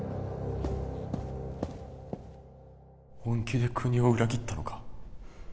本気で国を裏切ったのか？